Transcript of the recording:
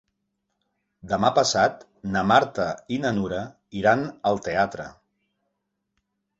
Demà passat na Marta i na Nura iran al teatre.